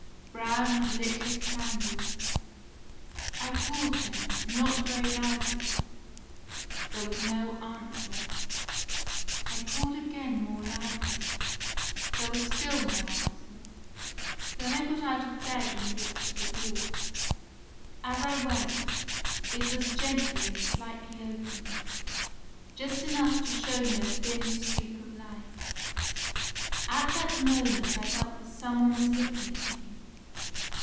Braun had lit his candle. I called him, not very loudly: there was no answer. I called again more loudly: there was still no answer. "Then I got out of bed and walked to the door. As I went, it was gently and slightly opened, just enough to show me a thin streak of light. At that moment I felt that some one was looking at me.